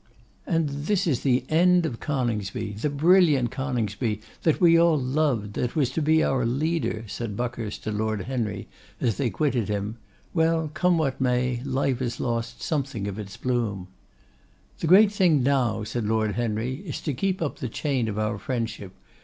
'And this is the end of Coningsby, the brilliant Coningsby, that we all loved, that was to be our leader!' said Buckhurst to Lord Henry as they quitted him. 'Well, come what may, life has lost something of its bloom.' 'The great thing now,' said Lord Henry, 'is to keep up the chain of our friendship.